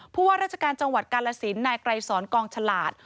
ว่าราชการจังหวัดกาลสินนายไกรสอนกองฉลาด